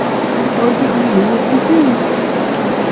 I didn't know what to do.